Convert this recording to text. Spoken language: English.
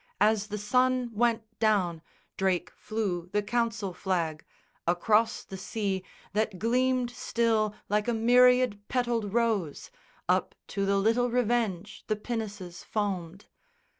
As the sun went down Drake flew the council flag. Across the sea That gleamed still like a myriad petalled rose Up to the little Revenge the pinnaces foamed.